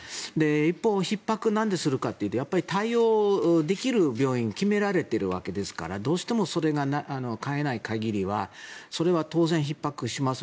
一方、ひっ迫をなんでするかというと対応できる病院が決められているわけですからどうしてもそれが変えない限りはそれは当然ひっ迫します。